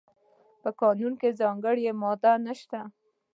په قانون کې ځانګړې ماده نشته.